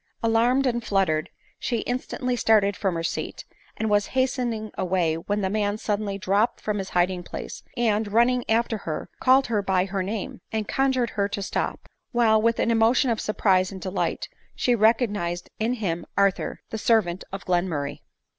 Alarmed and fluttered, she instantly started from her seat, and was hastening away, when the man suddenly dropped from his hiding place, and, running after her, called her by her name, and conjured her to stop ; while, with an emotion of surprise and delight, she recognised in him Arthur, the servant of Glenmur ray